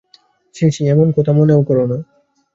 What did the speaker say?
ছি, ছি, এমন কথা মনেও করো না।